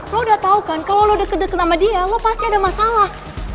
lo udah tau kan kalau lo deket deket sama dia lo pasti ada masalah